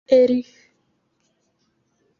Eri